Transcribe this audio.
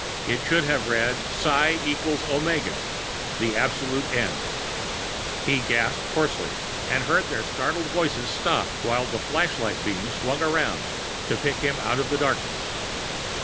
It should have read psi equals omega, the absolute end. He gasped hoarsely, and heard their startled voices stop, while the flashlight beam swung around, to pick him out in the darkness.